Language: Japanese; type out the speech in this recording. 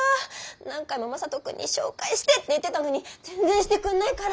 何回も正門くんに「紹介して！」って言ってたのに全然してくんないから。